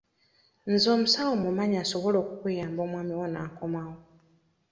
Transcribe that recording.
Nze omusawo mmumanyi asobola okukuyamba omwami wo n'akomawo.